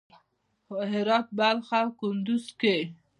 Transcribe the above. هرات، بلخ او کندز کې